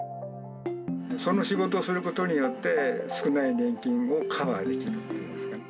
その仕事することによって、少ない年金をカバーできるっていうんですかね。